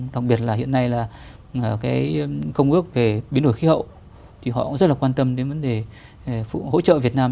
đặc biệt là hiện nay công ước về biến đổi khí hậu thì họ cũng rất quan tâm đến vấn đề hỗ trợ việt nam